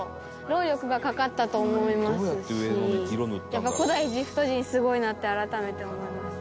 やっぱ古代エジプト人すごいなって改めて思います。